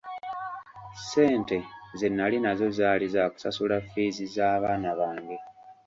Ssente ze nali nazo zaali za kusasula ffiizi z'abaana bange.